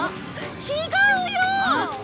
違うよ！